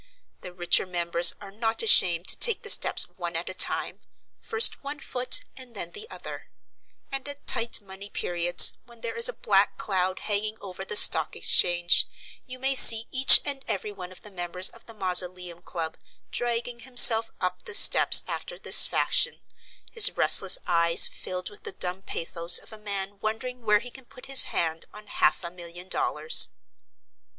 The richer members are not ashamed to take the steps one at a time, first one foot and then the other; and at tight money periods, when there is a black cloud hanging over the Stock Exchange, you may see each and every one of the members of the Mausoleum Club dragging himself up the steps after this fashion, his restless eyes filled with the dumb pathos of a man wondering where he can put his hand on half a million dollars.